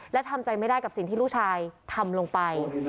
และทำใจไม่ได้กับสิ่งที่ลูกชายทำลงไป